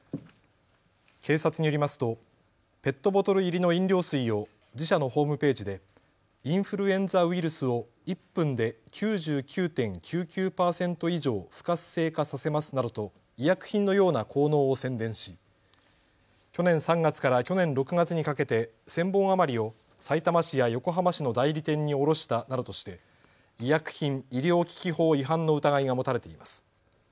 警察によりますとペットボトル入りの飲料水を自社のホームページでインフルエンザウイルスを１分で９９．９９％以上不活性化させますなどと医薬品のような効能を宣伝し去年３月から去年６月にかけて１０００本余りをさいたま市や横浜市の代理店に卸したなどとして医薬品医療機器法違反の疑いが持たれています。